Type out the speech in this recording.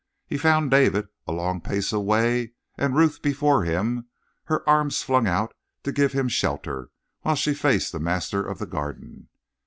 He found David a long pace away and Ruth before him, her arms flung out to give him shelter while she faced the master of the garden.